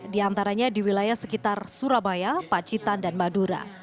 di antaranya di wilayah sekitar surabaya pacitan dan madura